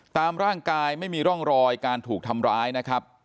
ตามร่างกายไม่มีร่องรอยการถูกทำร้ายนะครับ